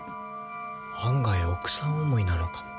案外奥さん思いなのかも。